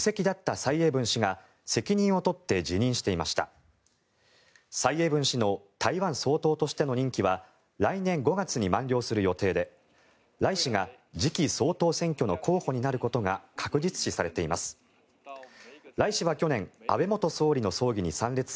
蔡英文氏の台湾総統としての任期は来年５月に満了する予定で頼氏が次期総統選挙の候補になることが確実視されています。